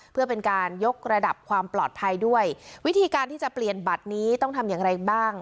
เพื่อเป็นการยกระดับความปลอดภัยด้วยวิธีการที่จะเปลี่ยนบัตรนี้ต้องทำอย่างไรบ้าง